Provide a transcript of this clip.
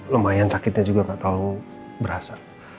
lumayan sakitnya juga nggak tahu berasa